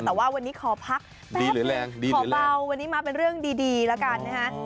แต่ว่าวันนี้ขอพักดีขอเบาวันนี้มาเป็นเรื่องดีแล้วกันนะฮะ